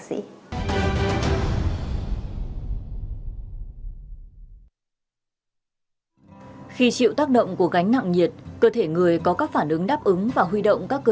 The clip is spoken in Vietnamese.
khi chịu tác động của gánh nặng nhiệt cơ thể người có các phản ứng đáp ứng và huy động các cơ